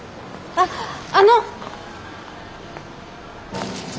あっあの。